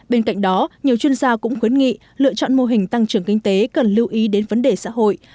bên cạnh đó nhiều chuyên gia cũng khuyến nghị lựa chọn mô hình tăng trưởng kinh tế cần lưu ý đến vấn đề xã hội